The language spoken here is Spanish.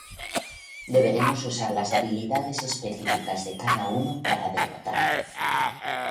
Deberemos usar las habilidades específicas de cada uno para derrotarle.